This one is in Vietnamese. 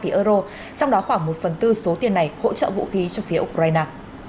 trong đó khoảng một phần tư số tiền này hỗ trợ vũ khí cho phía ukraine